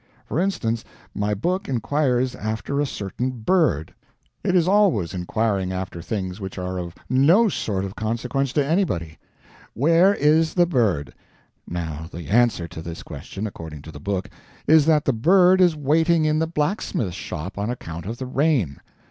For instance, my book inquires after a certain bird (it is always inquiring after things which are of no sort of consequence to anybody): "Where is the bird?" Now the answer to this question according to the book is that the bird is waiting in the blacksmith shop on account of the rain.